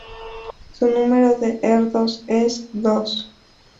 Su Número de Erdős es dos.